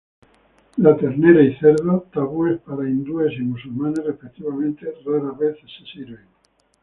La ternera y cerdo, tabúes para hindúes y musulmanes respectivamente, rara vez se sirven.